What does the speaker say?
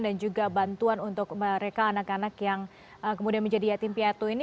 dan juga bantuan untuk mereka anak anak yang kemudian menjadi yatim piatu ini